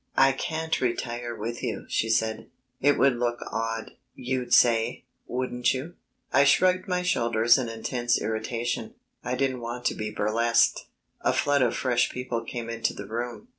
"I can't retire with you," she said; "'it would look odd,' you'd say, wouldn't you?" I shrugged my shoulders in intense irritation. I didn't want to be burlesqued. A flood of fresh people came into the room.